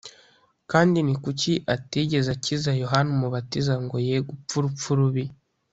kandi ni kuki atigeze akiza yohana umubatiza ngo ye gupfa urupfu rubi?